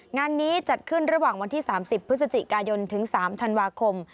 งานนี้จัดขึ้นระหว่างวันที่๓๐พฤศจิกายนถึง๓ธันวาคม